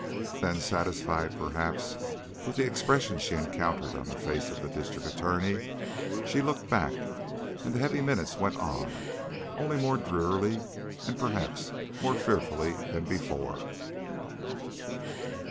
Then, satisfied, perhaps, with the expression she encountered on the face of the District Attorney, she looked back; and the heavy minutes went on, only more drearily, and perhaps more fearfully, than before.